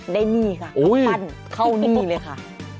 หนี้ค่ะปั้นเข้าหนี้เลยค่ะ